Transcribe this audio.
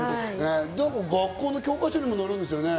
学校の教科書にもなるんですよね。